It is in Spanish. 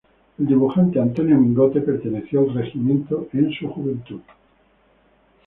El dibujante Antonio Mingote perteneció al regimiento en su juventud.